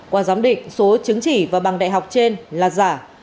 qua giám định số chứng chỉ và bằng đại học trên là giả